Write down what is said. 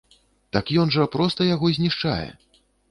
Так ён жа проста яго знішчае!